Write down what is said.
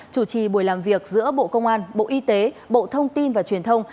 chủ trì buổi làm việc giữa bộ công an bộ y tế bộ thông tin và truyền thông